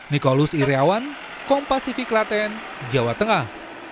nikolus iryawan kompas sivi kelaten jawa tengah